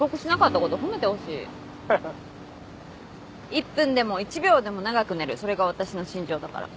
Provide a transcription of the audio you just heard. １分でも１秒でも長く寝るそれが私の信条だから。